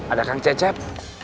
ada kang cecep